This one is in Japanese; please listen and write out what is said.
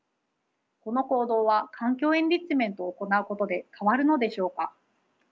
この行動は環境エンリッチメントを行うことで変わるのでしょうか？